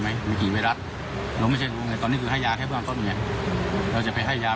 หมามันมีหลายโรคนะมันไม่ใช่วางโรคเดียว